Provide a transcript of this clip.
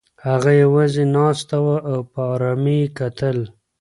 هغه یوازې ناسته وه او په ارامۍ یې کتل.